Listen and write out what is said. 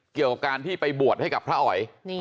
เกี่ยวการที่ไปบวชให้กับพระอ๋อย